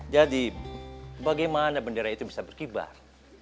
jadi bagaimana bendera itu bisa berkibar